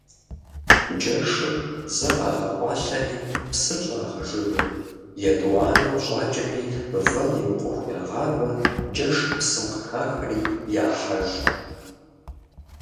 Джэшыр зэ къагъэкъуалъэри псыр щӏагъэжыжыр, етӏуанэу щӏакӏэри вэн ирикъуху ягъавэ, джэшыр псым къыхахри яхьэж.